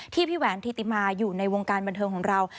พี่แหวนธิติมาอยู่ในวงการบันเทิงของเรา